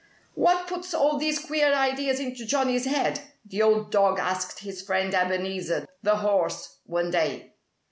"What puts all these queer ideas into Johnnie's head?" the old dog asked his friend Ebenezer, the horse, one day.